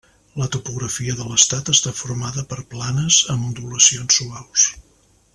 La topografia de l'estat està formada per planes amb ondulacions suaus.